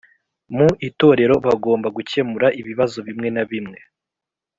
Mu itorero bagomba Gukemura ibibazo bimwe na bimwe